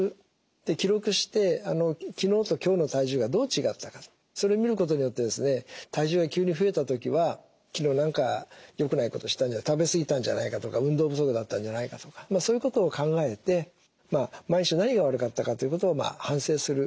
で記録して昨日と今日の体重がどう違ったかそれ見ることによって体重が急に増えた時は昨日何かよくないことしたんじゃ食べ過ぎたんじゃないかとか運動不足だったんじゃないかとかそういうことを考えて毎週何が悪かったかということを反省するこれが大事だと思います。